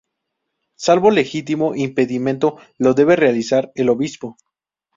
Salvo legítimo impedimento, lo debe realizar el obispo.